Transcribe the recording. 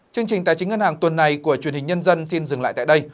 chương trình tài chính ngân hàng tuần này của truyền hình nhân dân xin dừng lại tại đây